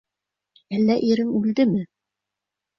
Әллә ирең үлдеме?